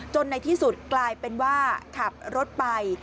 ในที่สุดกลายเป็นว่าขับรถไป